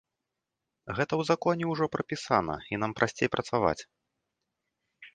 Гэта ў законе ўжо прапісана, і нам прасцей працаваць.